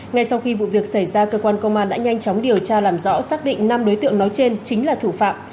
ngay sau khi vụ việc xảy ra cơ quan công an đã nhanh chóng điều tra làm rõ xác định năm đối tượng nói trên chính là thủ phạm